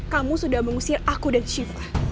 kamu sudah mengusir aku dan shiva